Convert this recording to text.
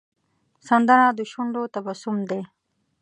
سندره د شونډو تبسم دی